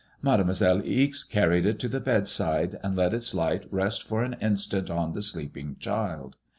Mademoiselle Ixe carried it to the bedside and let its light rest for a minute on the sleeping child.